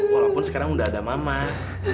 walaupun sekarang udah ada mamah